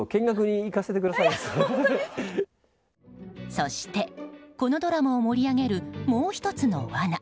そして、このドラマを盛り上げるもう１つの罠。